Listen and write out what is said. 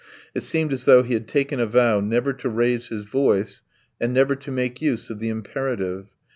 It seemed as though he had taken a vow never to raise his voice and never to make use of the imperative.